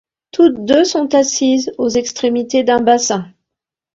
Toutes deux sont assises aux extrémités d'un bassin.